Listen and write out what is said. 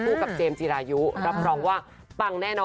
กับเจมส์จีรายุรับรองว่าปังแน่นอน